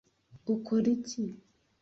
Ukora iki?